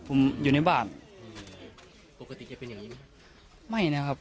ผมอยู่ในบ้านอืมปกติจะเป็นอย่างงี้ไหมไม่นะครับ